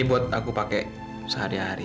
iya buat aku pake sehari hari